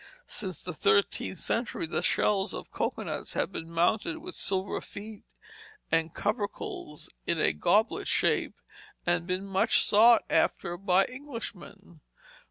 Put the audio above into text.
Since the thirteenth century the shells of cocoanuts have been mounted with silver feet and "covercles" in a goblet shape, and been much sought after by Englishmen.